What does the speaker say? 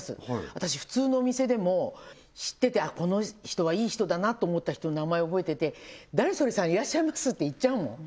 私普通のお店でも知っててこの人はいい人だなと思った人の名前覚えてて「誰それさんいらっしゃいます？」って言っちゃうもん